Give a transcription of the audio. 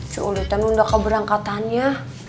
ce uli teh nunda keberangkatannya